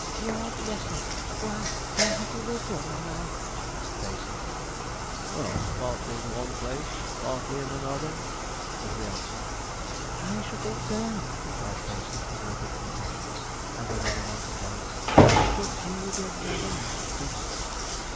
'Lor bless us! why, where have you lived all your life?' asked Pacey. 'Oh, partly in one place, and partly in another,' was the answer. 'I should think so,' replied Pacey, with a look of compassion, adding, in an undertone, 'a good deal with your mother, I should think.'